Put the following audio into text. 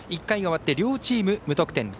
１回が終わって、両チーム無得点。